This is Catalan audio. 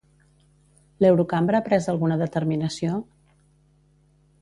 L'Eurocambra ha pres alguna determinació?